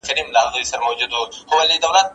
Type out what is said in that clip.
د خلګو سړي سر عاید به زیات سي.